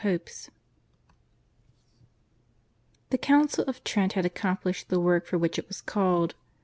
Rome, 1856. The Council of Trent had accomplished the work for which it was called.